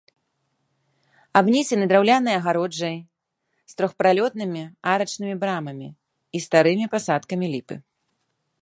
Абнесены драўлянай агароджай з трохпралётнымі арачнымі брамамі і старымі пасадкамі ліпы.